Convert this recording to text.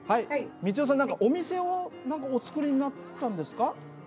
充代さん何かお店をお作りになったんですか？